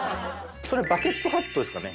それバケットハットですかね。